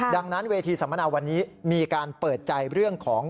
ดังนั้นเวทีสัมมนาวันนี้มีการเปิดใจเรื่องของ